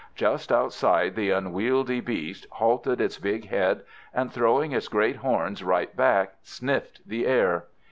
Just outside the unwieldy beast halted its big head, and, throwing its great horns right back, sniffed the air.